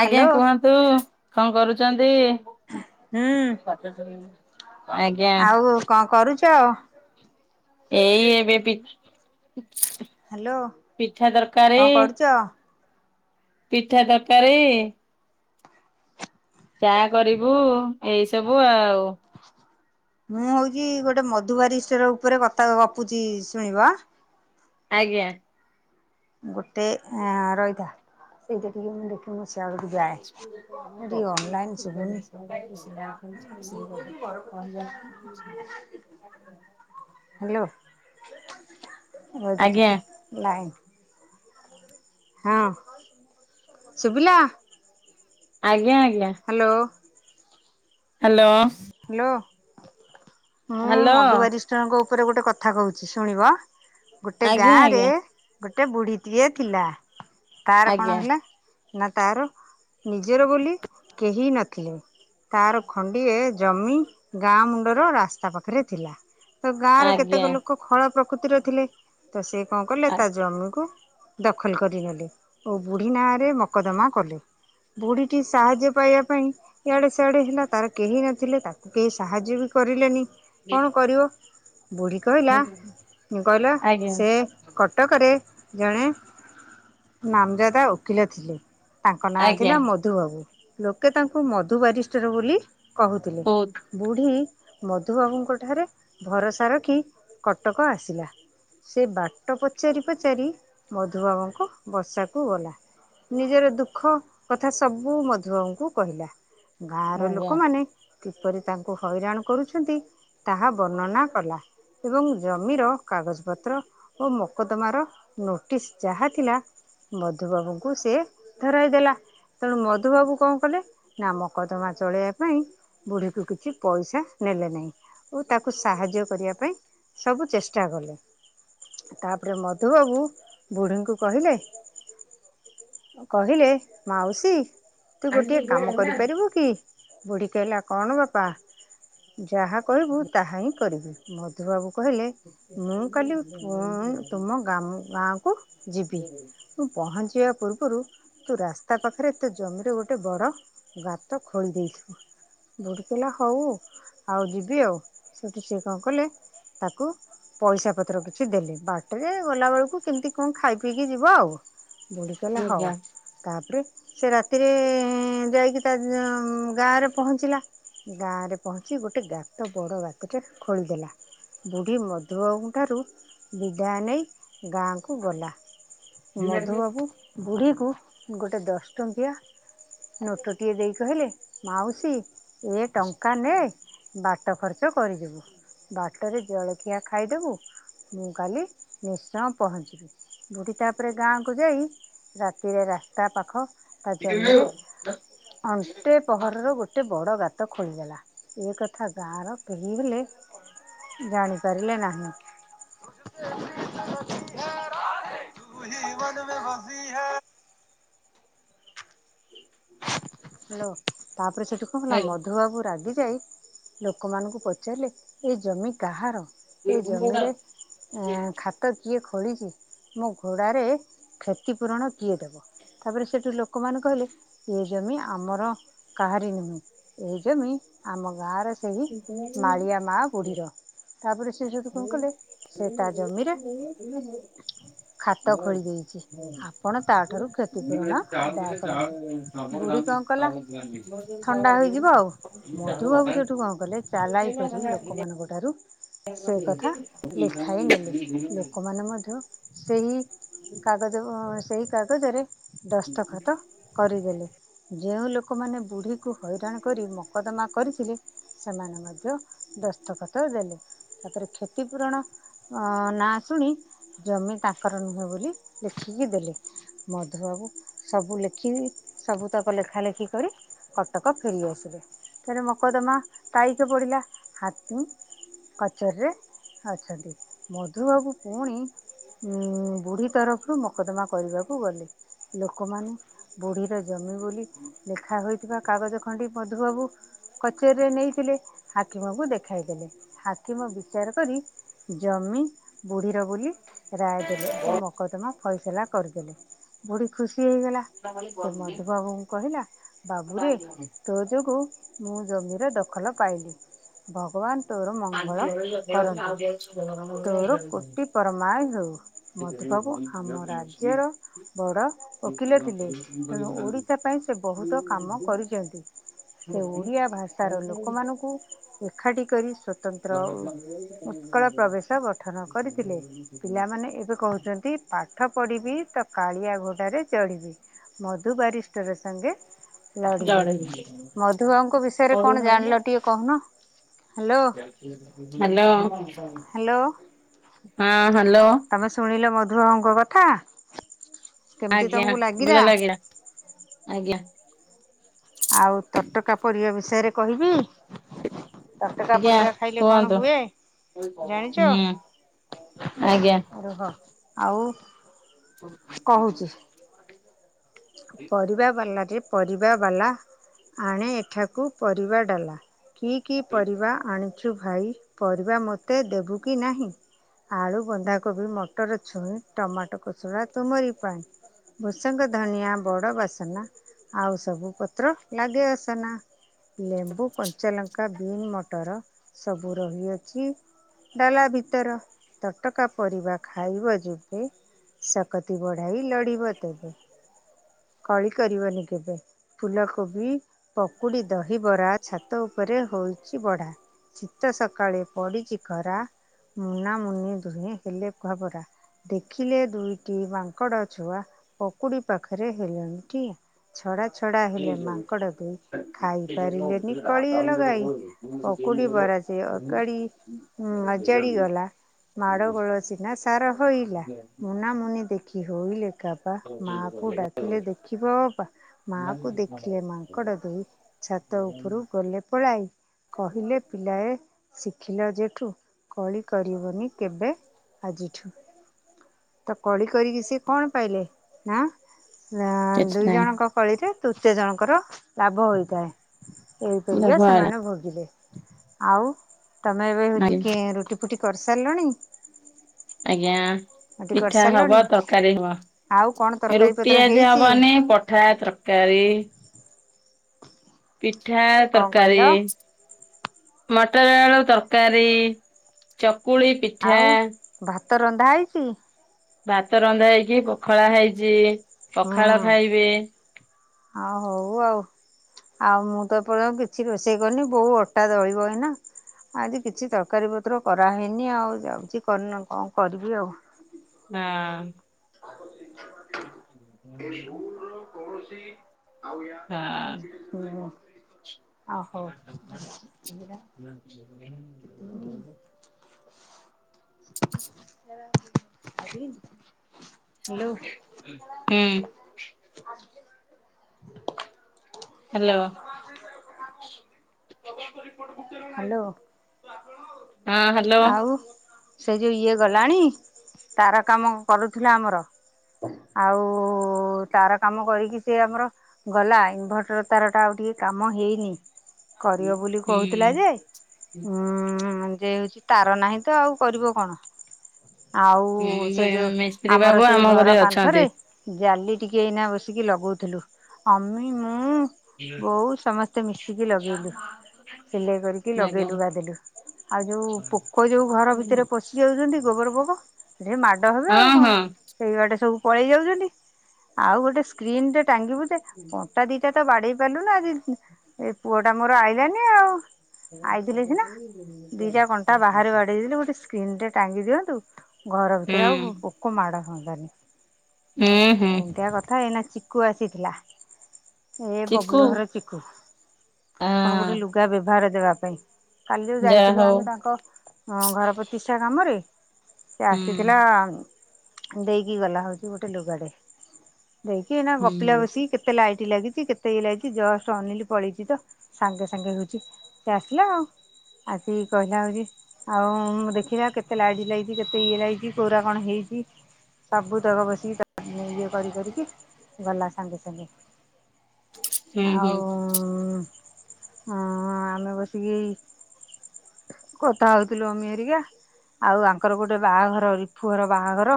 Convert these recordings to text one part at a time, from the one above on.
ଆଜ୍ଞା ହ୍ୟାଲୋ କୁହନ୍ତୁ କଣ କରୁଛନ୍ତି? ହୁଁ ଆଜ୍ଞା। ଆଉ କଣ କରୁଛ? ଏଇ ଏବେ ପ୍ ହ୍ୟାଲୋ ପିଠା ତରକାରୀ। କଣ କରୁଛ? ପିଠା ତରକାରୀ। ଚା କରିବୁ ଏଇ ସବୁ ଆଉ। ମୁଁ ହଉଛି ଗୋଟେ ମଧୁବାରୀଷ୍ଟର ଉପରେ କଥା ଗପୁଛି ଶୁଣିବ ଆଁ। ଆଜ୍ଞା। ଗୋଟେ ଆଁ ରହିଥା ସେଇଟା ଟିକେ ମୁଁ ଦେଖେ ମୁଁ ସିଆଡକୁ ଯାଏ। ଆମେ ଗପୁ ଟିକେ ଅନଲାଇନ [unintelligible] ଶୁଭୁନି ତ ସେଇ କଥା। କହିବା ଛଡା କିଛି ନାହିଁ। ହ୍ୟାଲୋ ଆଜ୍ଞା ରହିଥା ଟିକେ ଆଜ୍ଞା ଲାଇନ। ହଁ ସୁବିଲା? ଆଜ୍ଞା ଆଜ୍ଞା। ହ୍ୟାଲୋ। ହାଲୋ। ହାଲୋ ମୁଁ ହ୍ୟାଲୋ ମଧୁବାରୀ ଜଣଙ୍କ ଉପରେ ଗୋଟେ କଥା କହୁଛି ଶୁଣିବ ଗୋଟେ ଆଜ୍ଞା ଗାଁ ରେ ଆଜ୍ଞା ଗୋଟେ ବୁଢୀଟିଏ ଥିଲା ତାର କଣ ଆଜ୍ଞା ହେଲା? ନା ତାର ନିଜର ବୋଲି କେହି ନଥିଲେ ତାର ଖଣ୍ଡିଏ ଜମି ଗାଁ ମୁଣ୍ଡର ରାସ୍ତା ପାଖରେ ଥିଲା ତ ଗାଁର ଆଜ୍ଞା କେତେକ ଲୋକ ଖୋଳ ପ୍ରକୃତିର ଥିଲେ ତ ସେ କଣ କଲେ ତା ଜମିକୁ ଦଖଲ କରିନେଲେ ଓ ବୁଢ଼ୀ ନାଁରେ ମକଦମା କଲେ। ବୁଢୀଟି ସାହାଯ୍ୟ ପାଇବା ପାଇଁ ଇଆଡେ ସିଆଡେ ହେଲା ତାର କେହି ନ ଥିଲେ ତାକୁ କେହି ସାହାଯ୍ୟ ବି କରିଲେନି କଣ କରିବ ବୁଢ଼ୀ କହିଲା କହିଲା ଆଜ୍ଞା ସେ କଟକରେ ଜଣେ ନାମଜାଦା ଓକିଲ ଥିଲେ। ତାଙ୍କ ନାଁ ଥିଲା ଆଜ୍ଞା ମଧୁବାବୁ ଲୋକେ ତାଙ୍କୁ ମଧୁବାରିଷ୍ଟର ବୋଲି କହୁଥିଲେ। ବହୁତ ବୁଢ଼ୀ ମଧୁବାବୁଙ୍କଠାରେ ଭରସା ରଖି କଟକ ଆସିଲା। ସେ ବାଟ ପଚାରି ପଚାରି ମଧୁବାବୁଙ୍କ ବସାକୁ ଗଲା। ନିଜର ଦୁଃଖ କଥା ସବୁ ମଧୁବାବୁଙ୍କୁ କହିଲା ଗାଁ ର ଆଜ୍ଞା। ଲୋକମାନେ କିପରି ତାଙ୍କୁ ହଇରାଣ କରୁଛନ୍ତି ତାହା ବର୍ଣ୍ଣନା କଲା। ଏବଂ ଜମିର କାଗଜ ପତ୍ର ଓ ମୋକଦମା ର ନୋଟିସ୍ ଯାହା ଥିଲା ମଧୁବାବୁଙ୍କୁ ସେ ଧରାଇ ଦେଲା। ତେଣୁ ମଧୁବାବୁ କଣ କଲେ ନା ମକଦ୍ଦମା ଚଳେଇବା ପାଇଁ ବୁଢ଼ୀକୁ କିଛି ପଇସା ନେଲେ ନାହିଁ ଓ ତାକୁ ସାହାଯ୍ୟ କରିବା ପାଇଁ ସବୁ ଚେଷ୍ଟା କଲେ। ତାପରେ ମଧୁବାବୁ ବୁଢ଼ୀଙ୍କୁ କହିଲେ କହିଲେ ମାଉସୀ ହ୍ୟାଲୋ ହଁ ତୁ ଗୋଟିଏ କାମ କରିପାରିବୁ କି ବୁଢ଼ୀ କହିଲା କଣ ବାପା ଯାହା କହିବୁ ତାହା ହିଁ କରିବି ମଧୁବାବୁ କହିଲେ ମୁଁ କାଲି ତୁମ ଗାଁ କୁ ଯିବି। ମୁଁ ପହଞ୍ଚିବା ପୂର୍ବରୁ ତୁ ରାସ୍ତା ପାଖରେ ତୋ ଜମିରେ ଗୋଟେ ବଡ଼ ଗାତ ଖୋଳି ଦେଇଥିବ। ବୁଢ଼ୀ କହିଲା ହଉ ଆଉ ଯିବି ଆଉ ସେଠି କିଏ କଣ କଲେ ତାକୁ ପଇସା ପତ୍ର କିଛି ଦେଲି ବାଟରେ ଗଲାବେଳକୁ କେମିତି କଣ ଖାଇ ପିଇକି ଯିବ ଆଉ। ବୁ଼ଢୀ କହିଲା ହଉ। ତାପରେ ସେ ରାତିରେ ଯାଇକି ତା ଗାଁରେ ପହଞ୍ଚିଲା। ଗାଁରେ ପହଞ୍ଚି ଗୋଟେ ଗାତ ବଡ଼ ଗାତରେ ଖୋଳିଦେଲା। ବୁଢ଼ୀ ମଧୁବାବୁଙ୍କଠାରୁ ବିଦାୟ ନେଇ ଗାଁକୁ ଗଲା। ମଧୁବାବୁ ବୁଢ଼ୀ କୁ ଗୋଟେ ଦଶ ଟଙ୍କିଆ ନୋଟଟିଏ ଦେଇ କହିଲେ ମାଉସୀ ଏ ଟଙ୍କା ନେ ବା ଟ ଖର୍ଚ୍ଚ କରିଯିବୁ। ବାଟରେ ଜଳଖିଆ ଖାଇଦେବୁ ମୁଁ କାଲି ନିଶ୍ଚୟ ପହଞ୍ଚିବି। ବୁ଼ଢୀ ତା ପରେ ଗାଁକୁ ଯାଇ ରାତିରେ ରାସ୍ତା ପାଖ ତା ଜମିରେ ଅଣ୍ଟେ ପୋହରର ଗୋଟେ ବଡ଼ ଗାତ ଖୋଳିଦେଲା ଏ କଥା ଗାଁର କେହି ହେଲେ ଜାଣିପାରିଲେ ନାହିଁ। ତୁହି ଜୀବନ ମେ ହସି ହେ [unintelligible] ହାଲୋ ତାପରେ ସେଠି କଣ ହେଲା ମ ଧୁ ବାବୁ ରାଗି ଯାଇ ଲୋକମାନଙ୍କୁ ପଚାରିଲେ ଏ ଜମି କାହାର? ଏ ଜମିରେ ଗା ତ କିଏ ଖୋଳିଛି ମୋ ଘୋଡ଼ାରେ କ୍ଷତିପୂରଣ କିଏ ଦେବ? ତାପରେ ସେଠୁ ଲୋକମାନେ କହିଲେ ଏ ଜମି ଆମର କାହାରି ନୁହେଁ ଏ ଜମି ଆମ ଗାଁର ସେଇ ମାଳିଆ ମା ବୁଢ଼ୀର। ତାପରେ ସେ ସେଇଠୁ କଣ କଲେ ସେ ତା ଜମିରେ ଖାତ ଖୋଳି ଦେଇଛି ଆପଣ ତା ଠାରୁ କ୍ଷତିପୂରଣ ଆଦାୟ କରନ୍ତୁ। ବୁଢ଼ୀ କଣ କଲା ଥଣ୍ଡା ହୋଇଯିବ ଆଉ ମଧୁ ବାବୁ ସେଠୁ କଣ କଲେ ଚାଲାକି କରି ଲୋକମାନଙ୍କ ଠାରୁ ସେ କଥା ଲେଖାଇ ନେଲେ ଲୋକମାନେ ମଧ୍ୟ ସେହି କାଗଜ ସେହି କାଗଜରେ ଦସ୍ତଖତ କରିଦେଲେ ଯେଉଁ ଲୋକମାନେ ବୁଢ଼ୀକୁ ହଇରାଣ କରି ମକଦ୍ଦମା କରିଥିଲେ। ସେମାନେ ମଧ୍ୟ ଦସ୍ତଖତ ଦେଲେ। ତାପରେ କ୍ଷତିପୂରଣ ଆ ନାଁ ଶୁଣି ଜମି ତାଙ୍କର ନୁହେଁ ବୋଲି ଲେଖିକି ଦେଲେ ମଧୁବାବୁ ସବୁ ଲେ [unintelligible] ସବୁ ତକ ଲେଖା ଲେଖି କରି କଟକ ଫେରି ଆସିବେ। ଥରେ ମକଦ୍ଦମା ତାରିଖ ପଡିଲା ହା [unintelligible] କଚେରୀରେ ଅଛନ୍ତି ମଧୁବାବୁ ପୁଣି ଉଁ ବୁଢ଼ୀ ତରଫରୁ ମକଦ୍ଦମା କରିବାକୁ ଗଲେ ଲୋକମାନେ ବୁଢ଼ୀର ଜମି ବୋଲି ଲେଖା ହୋଇଥିବା କାଗଜ ଖଣ୍ଡି ମଧୁବାବୁ କଚେରୀରେ ନେଇଥିଲେ ହାକିମ କୁ ଦେଖାଇ ଦେଲେ ହାକିମ ବିଚାର କରି ଜମି ବୁଢ଼ୀର ବୋଲି ରାୟ ଦେଲେ ଓ ମକଦ୍ଦମା ଫଇସଲା କରିଦେଲେ ବୁଢ଼ୀ ଖୁସି ହେଇଗଲା। ସେ ମଧୁବାବୁ ଙ୍କୁ କହିଲା ବାବୁରେ ତୋ ଯୋଗୁ ମୁଁ ଜମିର ଦଖଲ ପାଇଲି ଭଗବାନ୍ ତୋର ମଙ୍ଗଳ କରନ୍ତୁ ତୋର କୋଟିପରମାୟ ହେଉ। ମଧୁବାବୁ ଆମ ରାଜ୍ୟର ବଡ଼ ଓକିଲ ଥି ତେଣୁ ଓଡ଼ିଶା ପାଇଁ ସେ ବହୁତ୍ କାମ କରିଛନ୍ତି। ସେ ଓଡ଼ିଆ ଭାଷାର ଲୋକମାନଙ୍କୁ ଏକାଠି କରି ସ୍ଵତନ୍ତ୍ର ଉତ୍କଳ ପ୍ରବେଶ ଗଠନ କରିଥିଲେ ପିଲାମାନେ ଏବେ କହୁଛନ୍ତି ପାଠ ପଢ଼ିବି ତ କାଳିଆ ଘୋଡ଼ାରେ ଚଢ଼ିବି ମ ମଧୁ ବାରିଷ୍ଟର ସଙ୍ଗେ ଲଢି଼ବି ମଧୁବାବୁଙ୍କ ବିଷୟରେ କଣ ଜାଣିଲ ଟି କହୁନ। ହ୍ୟାଲୋ ହ୍ୟାଲୋ ହ୍ୟାଲୋ ହଁ ହ୍ୟାଲୋ। ତମେ ଶୁଣିଲ ମଧୁବାବୁ ଙ୍କ କଥା? କେମିତି ଆଜ୍ଞା ତମକୁ ଭଲ ଲାଗିଲା ଆଜ୍ଞା। ଆଉ ତଟକା ପରିବା ବିଷୟରେ କହିବି। ତଟକା ଆଜ୍ଞା ପରିବା ଖାଇଲେ କଣ କୁହନ୍ତୁ ହୁଏ ଜାଣିଚ? ହୁଁ ଆଜ୍ଞା ରୁହ ଆଉ କହୁଛି। [unintelligible] ପରିବା ବାଲା [unintelligible] ପରିବା ବାଲା ଆଣେ ଏଠାକୁ ପରିବା ଡ଼ଲା କି କି ପରିବା ଆଣିଛୁ ଭାଇ ପରିବା ମୋତେ ଦେବୁ କି ନାହିଁ। ଆଳୁ, ବନ୍ଧାକୋବି, ମଟର ଛୁଇଁ, ଟମାଟୋ, [unintelligible] ତୁମରି ପାଇଁ। ଭୃଷଙ୍ଗ, ଧନିଆ ବଡ଼ ବାସନା ଆଉ ସବୁ ପତ୍ର ଲାଗେ ଅସନା। ଲେମ୍ବୁ, କଞ୍ଚାଲଙ୍କା, ବି [unintelligible] ମଟର ସବୁ ରହିଅଛି ଡାଲା ଭିତର ତଟକା ପରିବା ଖାଇବ ଯେବେ ସକତି ବଢ଼ାଇ ଲଢି଼ବ ତେବେ। କଳି କରିବନି କେବେ। ଫୁଲକୋବି, ପକୁଡ଼ି, ଦହିବରା ଛାତ ଉପରେ ହୋଉଛି ବଢ଼ା। ଶୀତ ସକାଳେ ପଡ଼ିଚି ଖରା ମୁନା ମୁୁନି ଦୁହେଁ ହେଲେ ଘାବରା। ଦେଖିଲେ ଦୁଇଟି ମାଙ୍କଡ଼ ଛୁଆ ପକୁଡ଼ି ପାଖରେ ହେଲେଣି ଠିଆ। ଛଡ଼ା ଛଡ଼ା ହେଲେ ମାଙ୍କଡ଼ [unintelligible] ଖାଇପାରିଲେନି କଳି ଲଗାଇ। ପକୁଡି ବରା ସେ ଅଗାଡି ହୁଁ ଅଜାଡି ଗଲା ମାଡ ଗୋଳ ସିନା ସାର ହୋଇଲା ମୁନା ମୁୁନି ଦେଖି ହୋଇଲେ କାବା ମାକୁ ଡାକିଲେ ଦେଖିବ ଅପା ମାଆକୁ ଦେଖିଲେ ମାଙ୍କଡ଼ ଦୁଇ ଛାତ ଉପରୁ ଗଲେ ପଳାଇ କହିଲେ ପିଲାଏ ଶିଖିଲ ଯେଠୁ କଳି କରିବନି କେବେ ଆଜିଠୁ ତ କଳି କରିକି ସେ କଣ ପାଇଲେ? ହେଁ କିଛି ଦୁଇ ନାହିଁ ଜଣଙ୍କ କଳିରେ ତୃତୀୟ ଜଣଙ୍କର ଲାଭ ହୋଇଥାଏ ଏଇପରିକା ଭଲ ହେଲା ସେମାନେ ଭୋଗିଲେ ଆଉ ତମେ ଏବେ ହଉଛି ଆଜ୍ଞା କେଁ ରଖି - ରୁଟିି କରିସାରିଲଣି ଆଜ୍ଞା ରୁଟି ପିଠା ହବ କରିସାରିଲଣି? ତରକାରୀ ଆଉ କ'ଣ ହବ ତରକାରୀ ରୁଟି ପତ୍ର ଆଜି ହେଇଛି? ହବନି ପଠା ତର- କାରି ପିଠା କଣ କହିଲ? ତରକାରୀ ମଟର ଆଳୁ ତରକାରୀ ଚକୁଳି ପିଠା ଆଉ ଭାତ ରନ୍ଧା ହେଇଛି ଭାତ ରନ୍ଧା ହେଇକି ପଖଳା ହେଇଛି ହୁଁ ପଖାଳ ଖାଇବେ ଆଉ ହଉ ଆଉ ଆଉ ମୁଁ ତ ଏପଜନ କିଛି ରୋଷେଇ କରିନି ବୋଉ ଅଟା ଦଳିବ ଏଇନା ଆଜି କିଛି ତରକାରୀ ପତ୍ର କରାହେଇନି ଆଉ ଯାଉଛି କନ କଣ କରିବି ଆଉ ହଁ [unintelligible] [inaudible] [unintelligible] କୌଣସି ହଁ [unintelligible] ଆ ହୋଉ [unintelligible] ହୁଁ ହ୍ୟାଲୋ ହ୍ୟାଲୋ [unintelligible] ହ୍ୟାଲୋ ହଁ ହ୍ୟାଲୋ ଆଉ ସେ ଯେଉଁ ଇଏ ଗଲାଣି ତାର କାମ କରୁଥିଲା ଆମର। ଆଉ ତାର କାମ କରିକି ସେ ଆମର। ଗଲା ଇନଭଟର ତାରଟା ଆଉ ଟିକେ କାମ ହେଇନି। କରିବ ବୋଲି ହୁଁ କହୁଥିଲା ଯେ ଉଁ ଯେ ତାର ନାହିଁ ତ ଆଉ କରିବ କଣ ଆଉ ସେଇ ହୁଁ ଯୋଉ ମିସ୍ତ୍ରୀ ଆମର ବାବୁ ସେଇ ଆମ ଘରେ ଘର କାନ୍ଥରେ ଅଛନ୍ତି। ଜାଲି ଟିକିଏ ଏଇନା ବସିକି ଲଗାଉଥିଲୁ ଅମି ମୁଁ ବୋଉ ସମସ୍ତେ ମିଶିକି ଲଗେଇଲୁ ସିଲେଇ କରିକି ଆଜ୍ଞା ଲଗେଇଲୁ ଗାଧିଲୁ ଆଉ ଯୋଉ ପୋକ ଯୋଉ ଘର ଭିତରେ ପଶି ଯାଉଛନ୍ତି ଗୋବର ପୋକ ସେଠି ମାଡ଼ ହେବେ ହଁ ଆଉ କଣ ହଁ ସେଇ ବାଟେ ସବୁ ପଳେଇ ଯାଉଛନ୍ତି ଆଉ ଗୋଟେ ସ୍କ୍ରିନ ଟେ ଟାଙ୍ଗିବୁ ଯେ କଣ୍ଟା ଦି ଏଇଟା ତ ବାଡେଇ ପାରିଲୁ ନା ଆଜି ଏ ପୁଅ ଟା ମୋର ଆଇଲାନି ଆଉ ଆଇଥିଲେ ସିନା [unintelligible] ସ୍କ୍ରିନ ରେ ଟାଙ୍ଗି ଦିଅନ୍ତୁ ଘର ଭିତରେ ହୁଁ ଆଉ ପୋକ ମାଡ ହୁଅନ୍ତାନି ହୁଁ ହୁଁ ଏନ୍ତିଆ କଥା ଏଇନା ଚିକୁ ଆସିଥିଲା ଏ ଚିକୁ ବବଲୁ ଘର ଚିକୁ କଣ ଗୋଟେ ହଁ ଲୁ- ଲୁଗା ବ୍ୟବହାର ଦେବା ପାଇଁ କାଲି ଯଉ ଯାହା ଯାଇଥିଲୁ ହଉ ଆମେ ତାଙ୍କ ଘର ପ୍ରତିଷ୍ଟା କାମରେ ସେ ହୁଁ ଆସିଥିଲା ଦେଇକି ଗଲା ହଉଛି ଗୋଟେ ଲୁଗାଟେ। ଦେଇକି ଏଇନା ହୁଁ ଗପିଲା ବସି କେତେ। କେତେ ଲାଇଟି ଲାଗିଛି କେତେ ଇଏ ଲାଗିଛି ଜଷ୍ଟ ଅନେଇଲି ପଳେଇଛି ତ ସାଙ୍ଗେ ସାଙ୍ଗେ ହେଉଛି ସେ ଆସିଲା ଆଉ ଆସିକି କହିଲା ହଉଛି ଆଉ ମୁଁ ଦେଖ ଦେଖିଲା କେତେ ଲାଇଟି ଲାଗିଛି କେତେ ଇଏ ଲାଗିଛି କୋରା କଣ ହେଇଛି। ସବୁ ତକ ବସିକି ଇଏ କରି କରିକି ଗଲା ସାଙ୍ଗେ ସାଙ୍ଗେ। ହୁଁ ଆଉ ହୁଁ ହୁଁ ହଁ ଆମେ ବସିକି କଥା ହଉଥିଲୁ ଅମି ହରିକା। ଆଉ ଆଙ୍କର ଗୋଟେ ବାହାଘର ରିଫୁ ଘର ବାହାଘର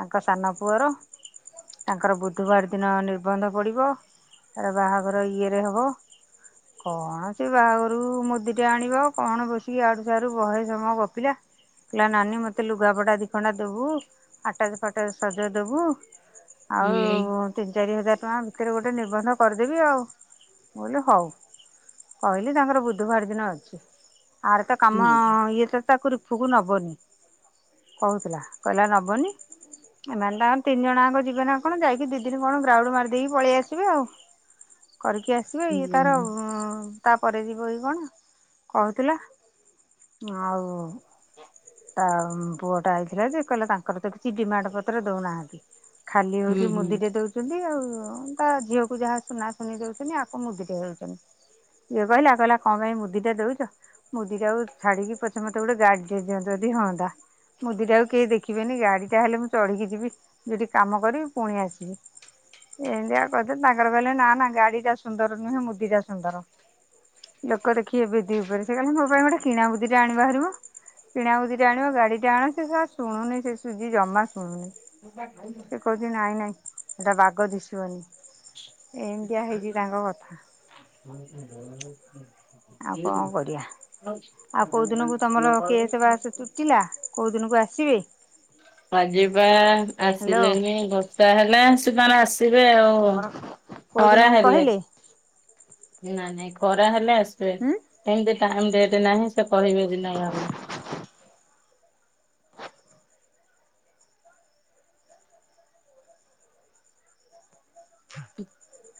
ତାଙ୍କ ସାନ ପୁଅର। ତାଙ୍କର ବୁଧବାର ଦିନ ନିର୍ବନ୍ଧ ପଡିବ ତାର ବାହାଘର ଇଏରେ ହବ। କଣ ଯେ ବାହାଘରକୁ ମୁଦି ଟେ ଆଣିବ କଣ ବସିକି ଇଆଡୁ ସିଆଡୁ ବହେ ସମୟ ଗପିଲା। କହିଲା ନାନୀ ମୋତେ ଲୁଗାପଡ଼ା ଦିଖଣ୍ଡା ଦବୁ ଆଟାଜ ଫାଟାଜ ସଜ ଦେବୁ। ଆଉ ତିନି ଚାରି ହଜାର ଟଙ୍କା ଭିତରେ ଗୋଟେ ନିିର୍ବନ୍ଧ କରିଦେବି ଆଉ ମୁଁ କହିଲି ହଉ। କହିଲି ତାଙ୍କର ବୁଧବାର ଦିନ ଅଛି ଆର ତ କାମ ହୁଁ ଇଏ ତ ତାକୁ ରି ପୁକୁ ନବନି କହୁଥିଲା କହିଲା ନବନି। ଏମାନେ ତାଙ୍କର ତିନି ଜଣ ଆଙ୍କ ଯିବେ ନା କଣ ଯାଇକି ଦି ଦିନ କଣ ଗ୍ରାଉଡୁ ମାରି ଦେଇେଇକି ପଳେଇ ଆସିବେ ଆଉ। କରିକି ଆସିବେ ଇଏ ହୁଁ ତାର ହୁଁ ତାପରେ ଯିବ କି କଣ କହୁଥିଲା ଆଉ ତା ପୁଅ ଟା ଆଇଥିଲା ଯେ କହିଲେ ତାଙ୍କର ତ କିଛି ଡିମାଣ୍ଡ ପତ୍ର ଦଉନାହାନ୍ତି। ଖାଲି ହଉଛି ମୁଦି ହୁଁ ଟେ ଦଉଚ ଚନ୍ତିଆଉ ତା ଝିଅକୁ ଯାହା ସୁନା ସୁନି ଦଉଚନ୍ତି ଆକୁ ମୁଦିଟେ ହେଉଚନି। ଇଏ କହିଲା କହିଲା କଣ ପାଇଁ ମୁଦି ଟା ଦଉଚ ମୁଦି ଟାକୁ ଛାଡି କି ପଛେ ମତେ ଗୋଟେ ଗାଡି ଦେଇଦିଅ ଯଦି ହଅନ୍ତା। ମୁଦିଟାକୁ କେହି ଦେଖିବେନି ଗାଡିଟା ହେଲେ ମୁଁ ଚଢ଼ିକି ଯିବି ଯଉଠି କାମ କରିବି ପୁଣି ଆସିବି। ଏନ୍ତିଆ କଥା ତାଙ୍କର କହିଲେ ନା ନା ଗାଡିଟା ସୁନ୍ଦର ନୁହେଁ ମୁଦିଟା ସୁନ୍ଦର। ଲୋକ ଦେଖିବେ ବେଦି ଉପରେ ସେ କହଲା ମୋ ପାଇଁ ଗୋଟେ କିଣା ମୁଦି ଟେ ଆଣିବ ହାରିମ। କିଣା ମୁଦି ଟେ ଆଣିବ ଗାଡି ଟେ ଆଣ ସେ ଶୁଣୁନି ସେ ସୁଜି ଜମା ଶୁଣୁନି। [unintelligible] କହୁଚି ନାଇଁ ନାଇଁ ସେଟା ବାଗ ଦିଶିବନି ଏନ୍ତିଆ ହେଇଛି ତାଙ୍କ କଥା। [unintelligible] ଆଉ କଣ କରିବା ଆଉ କୋଉ ଦିନକୁ ତମର କେସେ ବାସ ତୁଟିଲା। କୋଉ ଦିନକୁ ଆସିବେ? ଆଜିପା ହ୍ୟାଲୋ ଆସିଲେନି ବର୍ଷା ହେଲା ସେମାନେ ଆସିବେ ଆଉ। ଓ ତମର କୋଉ ଖରା ଦିନକୁ ହେଲେ କହିଲେ ନା ନାଇଁ ଖରା ହେଲେ ଆସିବେ ଉଁ? ଏମତି ଟାଇମ୍ ଡେଟ୍ ନାହିଁ। ସେ କହିବେ [unintelligible] ହ [inaudible] ହ [inaudible]